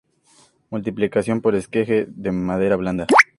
Multiplicación por esqueje de madera blanda.